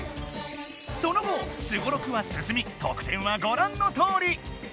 その後すごろくはすすみ得点はごらんのとおり。